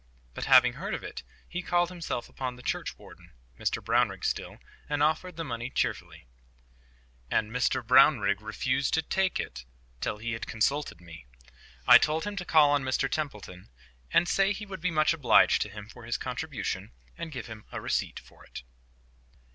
But, having heard of it, he called himself upon the churchwarden—Mr Brownrigg still—and offered the money cheerfully. AND MR BROWRIGG REFUSED TO TAKE IT TILL HE HAD CONSULTED ME! I told him to call on Mr Templeton, and say he would be much obliged to him for his contribution, and give him a receipt for it.